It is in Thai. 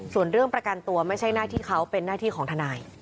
ส่วนเรื่องประกันตัวไม่ใช่หน้าที่เขาเป็นหน้าที่ของทนาย